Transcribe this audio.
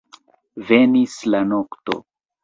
Venis la nokto.